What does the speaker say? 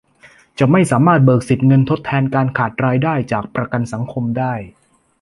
จะไม่สามารถเบิกสิทธิ์เงินทดแทนการขาดรายได้จากประกันสังคมได้